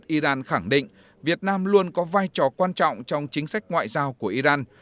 iran khẳng định việt nam luôn có vai trò quan trọng trong chính sách ngoại giao của iran